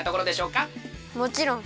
もちろん。